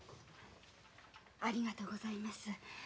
ありがとうございます。